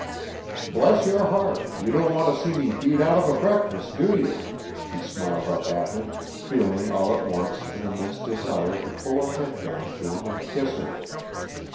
"Bless your heart, you don't want to see me beat out of a breakfast, do you?" he smiled up at her, feeling all at once an immense desire to pull her head down to him and kiss her.